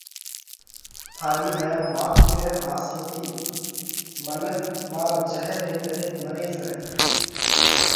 ٿارِي هايا وات ۾ ۿاس نٿِي، منک مارا جھير ري ڪري مري زائه۔